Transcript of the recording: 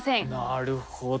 なるほど。